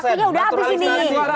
mak waktunya sudah habis ini